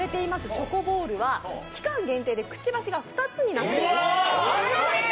チョコボールは期間限定でくちばしが２つになっています。